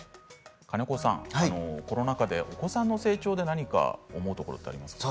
金子さんコロナ禍でお子さんの成長で何か思うところがありますか？